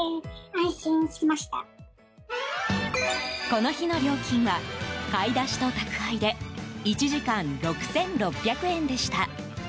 この日の料金は買い出しと宅配で１時間６６００円でした。